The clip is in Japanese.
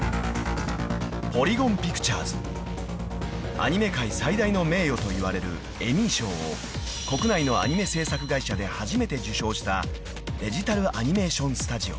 ［アニメ界最大の名誉といわれるエミー賞を国内のアニメ制作会社で初めて受賞したデジタルアニメーションスタジオ］